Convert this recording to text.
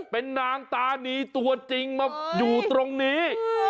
เป็นนางตานีตัวจริงมาอยู่ตรงนี้